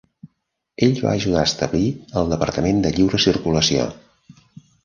Ell va ajudar a establir el departament de lliure circulació.